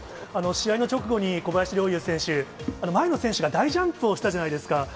試合の直後に、小林陵侑選手、前の選手が大ジャンプをしたじゃないですか。